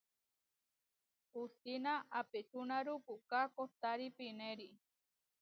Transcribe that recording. Hustína apečúnarúu puʼká kostári pinéri.